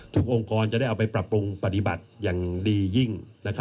องค์กรจะได้เอาไปปรับปรุงปฏิบัติอย่างดียิ่ง